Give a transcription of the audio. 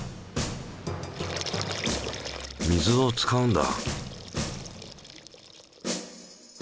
水を使うんだ。